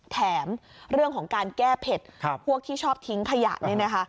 แถมเรื่องของการแก้เผ็ดพวกที่ชอบทิ้งขยะนี่นะคะ